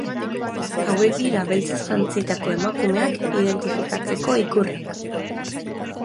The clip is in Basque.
Hauek dira Beltzez Jantzitako Emakumeak identifikatzeko ikurrak.